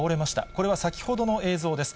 これは先ほどの映像です。